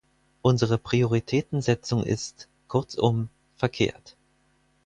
Unsere Prioritätensetzung ist, kurzum, verkehrt.